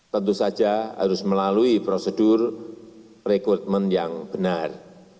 tentu saja harus melalui prosedur rekrutmen yang benar